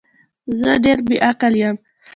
زه ډیر بی عقل یم